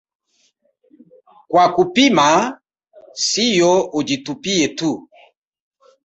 "Kwa kupima, sio ujitupie tu"